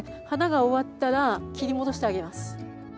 花が終わったら切り戻してあげます。